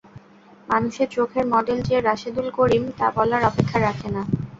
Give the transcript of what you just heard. মানুষের চোখের মডেল যে রাশেদুল করিম তা বলার অপেক্ষা রাখে না।